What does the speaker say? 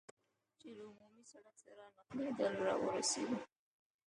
چې له عمومي سړک سره نښلېدل را ورسېدو.